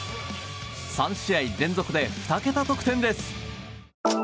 ３試合連続で２桁得点です。